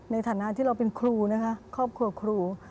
ในฐานะที่เราเป็นครูนะคะครอบครัวครู